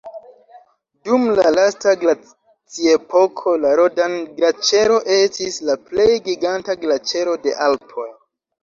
Dum la lasta glaciepoko la Rodan-Glaĉero estis la plej giganta glaĉero de la Alpoj.